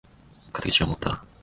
肩口を持った！